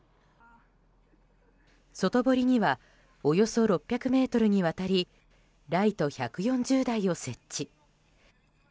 外堀にはおよそ６００ｍにわたりライト１４０台を設置。